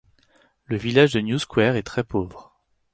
Le village de New Square est très pauvre.